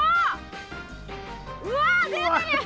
うわ出てるよ。